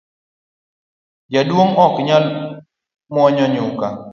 Jaduong’ ok nyal mwonyo nyuka